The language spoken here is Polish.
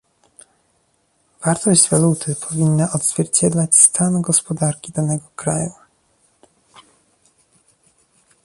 Wartość waluty powinna odzwierciedlać stan gospodarki danego kraju